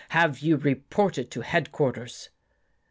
" Have you reported to headquarters?